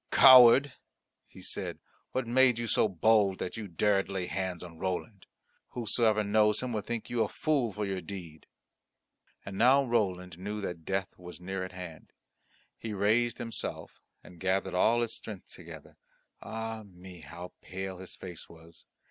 "Coward," he said, "what made you so bold that you dared lay hands on Roland? Whosoever knows him will think you a fool for your deed." And now Roland knew that death was near at hand. He raised himself and gathered all his strength together ah me! how pale his face was!